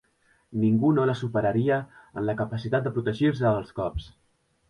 Ningú no la superaria en la capacitat de protegir-se dels cops.